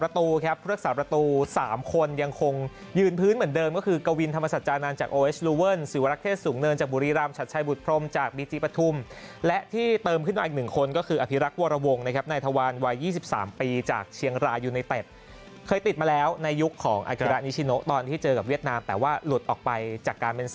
เติมก็คือกวินธรรมศาสตร์จานานจากโอเอสลูเวิร์นสิวรักเทศสูงเนินจากบุรีรามชัดใช่บุตรพรมจากบีจีปธุมและที่เติมขึ้นอีกหนึ่งคนก็คืออภิรักษ์วรวงนะครับในทวารวาย๒๓ปีจากเชียงรายูไนเต็ดเคยติดมาแล้วในยุคของอภิรัตนิชโนตอนที่เจอกับเวียดนามแต่ว่าหลุดออกไปจากการเป็